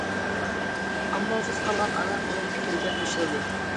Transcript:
ئامالسىز قالغان ئانا ئۇنىڭ پىكرىگە قوشۇلدى.